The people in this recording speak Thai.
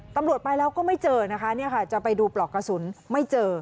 ตำรวจไปแล้วก็ไม่เจอนะคะเนี่ยค่ะจะไปดูปลอกกระสุนไม่เจอ